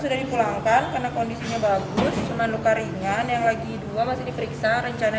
sudah dipulangkan karena kondisinya bagus cuman luka ringan yang lagi dua masih diperiksa rencana